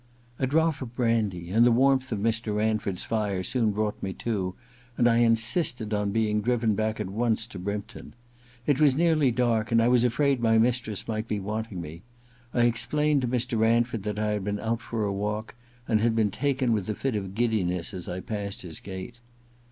... A drop of brandy and the warmth of Mr. Ranford's fire soon brought me to, and I in sisted on being driven back at once to Brympton. IV THE LADY'S MAID'S BELL 153 It was nearly dark, and I was afraid my mistress might be wanting me. I explained to Mr. Ranford that I had been out for a walk and had been taken with a fit of giddiness as I passed his gate.